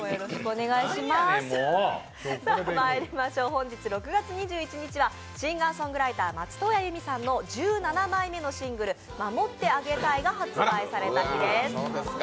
本日６月２１日はシンガーソングライター松任谷由実さんの１７枚目のシングル「守ってあげたい」が発売された日です。